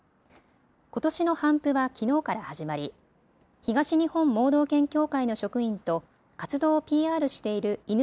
ことしの頒布はきのうから始まり東日本盲導犬協会の職員と活動をＰＲしている犬